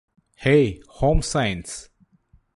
hey home science